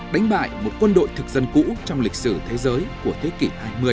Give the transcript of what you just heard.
đánh bại một quân đội thực dân cũ trong lịch sử thế giới của thế kỷ hai mươi